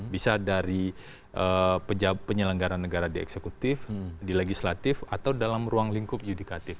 bisa dari penyelenggara negara di eksekutif di legislatif atau dalam ruang lingkup yudikatif